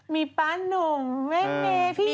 มีป๊านุ่งแม่เมพี่ยู